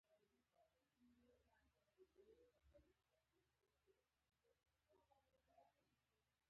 په افغانستان کې وادي د خلکو د ژوند په کیفیت تاثیر کوي.